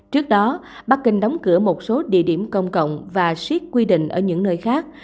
trước đó bắc kinh đóng cửa một số địa điểm công cộng và siết quy định ở những nơi khác